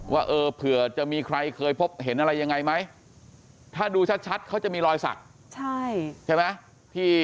ว่าเออเผื่อจะมีใครเคยพบเห็นอะไรยังไงไหมถ้าดูชัดเขาจะมีรอยสักใช่ไหม